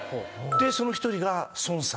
でその一人が。